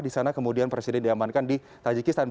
di sana kemudian presiden diamankan di tajikistan